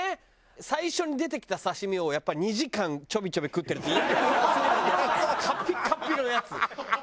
最初に出てきた刺身をやっぱり２時間ちょびちょび食ってるとイヤな顔するんだよね。